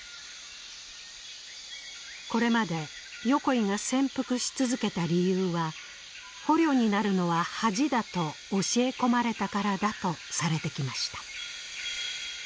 これまで横井が潜伏し続けた理由は「捕虜になるのは恥だ」と教え込まれたからだとされてきました。